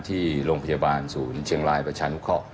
ที่โรงพยาบาลศูนย์เชียงรายประชานุเคราะห